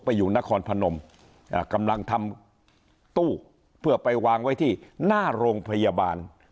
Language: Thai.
อยู่นครพนมกำลังทำตู้เพื่อไปวางไว้ที่หน้าโรงพยาบาล